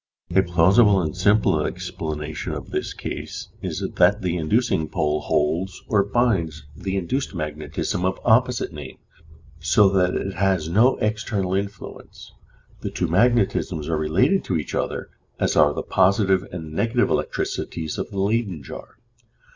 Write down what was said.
A plausible and simple explanation of this case is that the inducing pole holds or binds the induced magnetism of opposite name, so that it has no external influence; the two magnetisms are related to each other as are the positive and negative electricities of the Leyden jar.